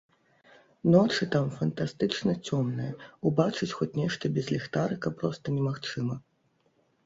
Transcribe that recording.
Ночы там фантастычна цёмныя, убачыць хоць нешта без ліхтарыка проста немагчыма.